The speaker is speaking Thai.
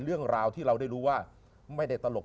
เรื่องราวที่เราได้รู้ว่าไม่ได้ตลก